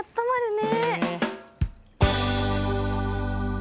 ね。